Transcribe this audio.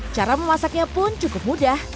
cara memasaknya pun cukup mudah